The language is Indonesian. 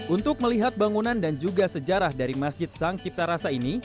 untuk melihat bangunan dan juga sejarah dari masjid sang cipta rasa ini